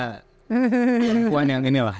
perlu buang yang ini lah